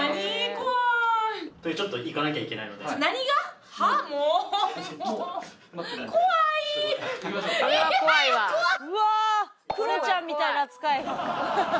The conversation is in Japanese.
クロちゃんみたいな扱い。